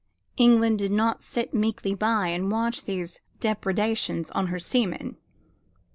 England did not sit meekly by and watch these depredations on her seamen.